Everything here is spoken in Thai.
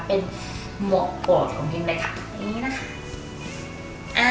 เป็นหมวกโปรดของพิมพ์เลยค่ะอย่างนี้นะคะ